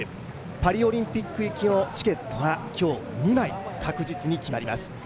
パリオリンピック行きのチケットが今日確実に２枚、決まります。